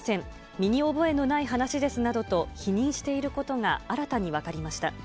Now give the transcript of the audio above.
身に覚えのない話ですなどと否認していることが新たに分かりました。